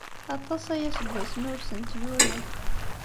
Aṭas aya seg wasmi ur asent-yuri.